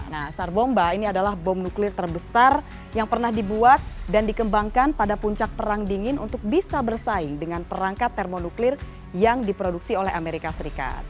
nah sarbomba ini adalah bom nuklir terbesar yang pernah dibuat dan dikembangkan pada puncak perang dingin untuk bisa bersaing dengan perangkat termonuklir yang diproduksi oleh amerika serikat